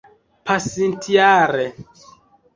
pasintjare